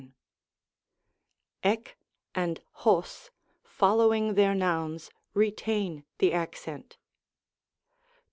s^c and coq, following their nouns, retain the accent.